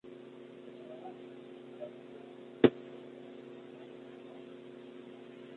Ahora el túnel ferroviario permite una alternativa de la mitad de tiempo.